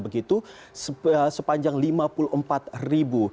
begitu sepanjang lima puluh empat ribu